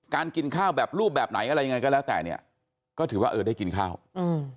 กินข้าวแบบรูปแบบไหนอะไรยังไงก็แล้วแต่เนี้ยก็ถือว่าเออได้กินข้าวอืม